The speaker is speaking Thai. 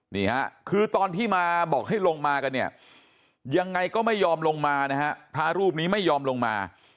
นี่ฮะคือตอนที่มาบอกให้ลงมากันเนี่ยยังไงก็ไม่ยอมลงมานะฮะพระรูปนี้ไม่ยอมลงมา